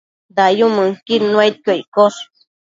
Dayumënquid nuaidquio iccosh